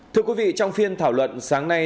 thưa quý vị trong phiên thảo luận sáng nay